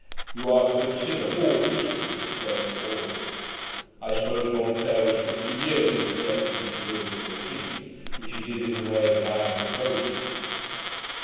You are to consider, all history was at first oral. I suppose Voltaire was fifty years in collecting his Louis XIV which he did in the way that I am proposing.'